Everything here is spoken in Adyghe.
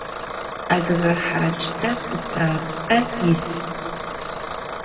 Adıge haç'e pıtap'e yis.